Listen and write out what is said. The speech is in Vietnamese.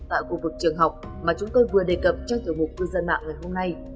tại khu vực trường học mà chúng tôi vừa đề cập trong tiểu mục cư dân mạng ngày hôm nay